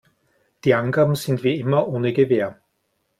Die Angaben sind wie immer ohne Gewähr.